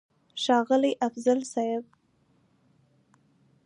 ښاغلی افضل صيب!!